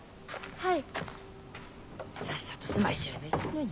はい。